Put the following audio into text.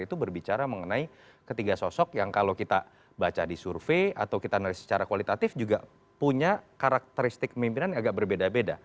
itu berbicara mengenai ketiga sosok yang kalau kita baca di survei atau kita secara kualitatif juga punya karakteristik pemimpinan yang agak berbeda beda